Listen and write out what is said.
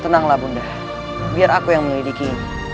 tenanglah ibu nda biar aku yang melidiki ini